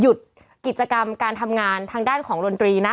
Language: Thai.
หยุดกิจกรรมการทำงานทางด้านของดนตรีนะ